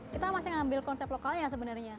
kita masih ngambil konsep lokalnya sebenarnya